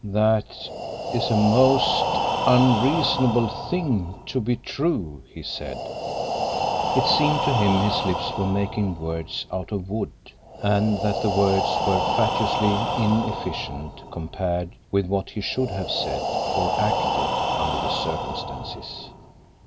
"That—is a most unreasonable thing—to be true," he said. It seemed to him his lips were making words out of wood, and that the words were fatuously inefficient compared with what he should have said, or acted, under the circumstances.